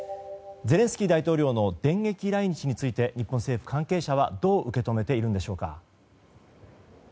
ゼレンスキー大統領の電撃来日について日本政府関係者は、どう受け止めているんでしょうか。